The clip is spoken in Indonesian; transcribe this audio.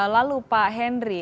lalu pak henry